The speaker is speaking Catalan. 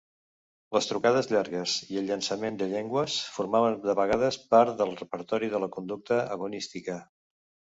Les trucades llargues i el llançament de llengües formaven de vegades part del repertori de la conducta agonística.